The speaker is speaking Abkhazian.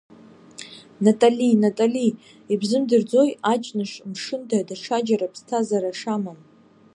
Натали, Натали, ибзымдырӡои аҷныш мшында даҽаџьара ԥсҭазара шамам?!